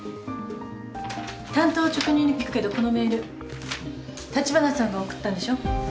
単刀直入に聞くけどこのメール立花さんが送ったんでしょ？